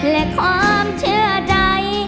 และความเชื่อใจ